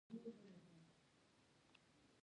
باران د افغانستان د صادراتو یوه مهمه برخه ده.